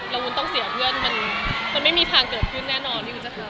แล้ววุ้นต้องเสียเพื่อนมันไม่มีทางเกิดขึ้นแน่นอนที่วุ้นจะเจอ